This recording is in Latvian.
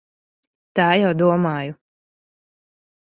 Tā jau domāju.